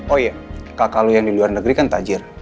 oh iya kalau yang di luar negeri kan tajir